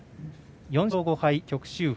４勝５敗、旭秀鵬。